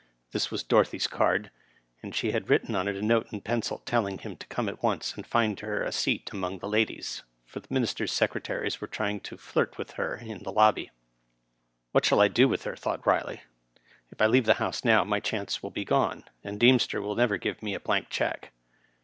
This was Dorothy's card, and she had written on it a note in pencil, telling him to come at once and find her a seat among the ladies, for the minister's secretaries were trying to flirt with her in the lobby. ^' What shall I do with her ?" thought Kiley. « If I leave the House now my chance will be gone, and Deem ster will never give me a blank check."